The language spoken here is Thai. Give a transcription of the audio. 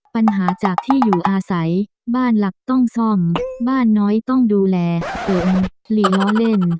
ปัญหาจากที่อยู่อาศัยบ้านหลักต้องซ่อมบ้านน้อยต้องดูแลฝนหลีล้อเล่น